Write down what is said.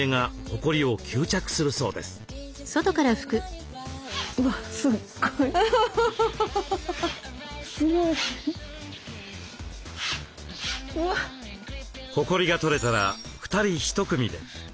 ほこりが取れたら２人１組で。